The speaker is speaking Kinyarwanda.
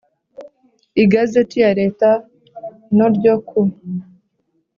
igazeti ya leta no ryo ku